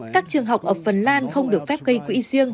các trường học ở phần lan không được phép gây quỹ riêng